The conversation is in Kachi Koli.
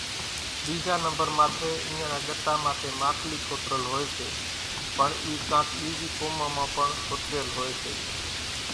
ٻيزا نمڀر ماٿيَ اينيان نا ڳٽا ماٿيَ ماکلِي کوترل هوئيَ سي، پڻ اِي ڪانڪ ٻيزِي قومان مان پڻ کوتريل هوئيَ سي۔